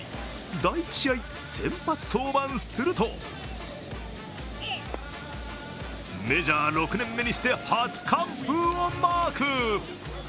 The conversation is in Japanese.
第１試合、先発登板するとメジャー６年目にして、初完封をマーク。